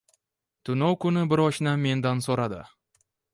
Tunov kuni bir oshnam mendan so’radi.